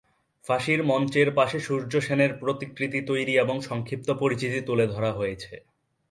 ফাঁসির মঞ্চের পাশে সূর্যসেনের প্রতিকৃতি তৈরি এবং সংক্ষিপ্ত পরিচিতি তুলে ধরা হয়েছে।